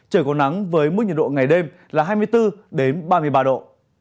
trời có nắng với mức nhiệt độ ngày đêm là hai mươi bốn ba mươi ba độ